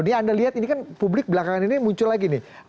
ini anda lihat ini kan publik belakangan ini muncul lagi nih